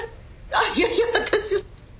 あっいやいや私は。